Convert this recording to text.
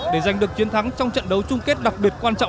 để giành được chiến thắng trong trận đấu chung kết đặc biệt quan trọng